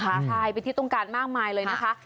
หาที่ไทยพิธีต้องการมากมายเลยนะคะ